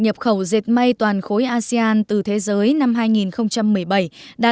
mời quý vị và các bạn cùng chúng tôi theo dõi phóng sự sau đây